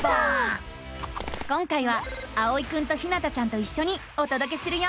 今回はあおいくんとひなたちゃんといっしょにおとどけするよ。